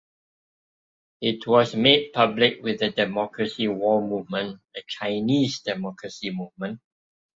It was made public with the Democracy Wall Movement, a Chinese democracy movement.